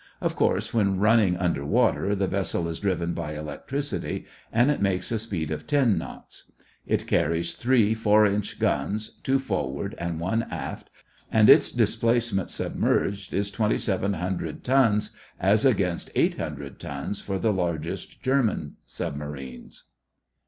Of course when running under water the vessel is driven by electricity and it makes a speed of 10 knots. It carries three 4 inch guns, two forward and one aft, and its displacement submerged is 2700 tons as against 800 tons for the largest German submarines.